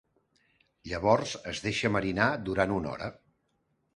Llavors es deixa marinar durant una hora.